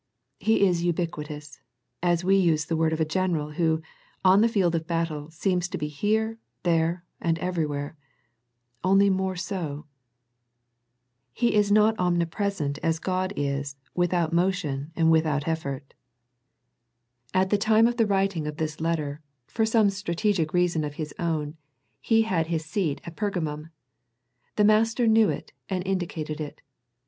He is ubiquitous, as we use the word of a general who, on the field of battle seems to be here, there, and everywhere, only more so. He is not omnipresent as God is without motion The Pergamum Letter 87 and without effort. At the time of the wri ting of this letter, for some strategic reason of his own, he had his seat at Pergamum. The Master knew it and indicated it.